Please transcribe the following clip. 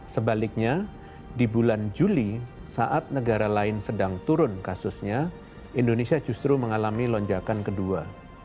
sebaliknya di bulan juli saat negara lain sedang turun kasusnya indonesia justru mengalami lonjakan kedua